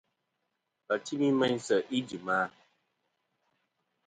Wà timi meyn sèʼ ijìm a?